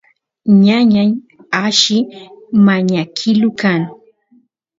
ñañay alli mañakilu kan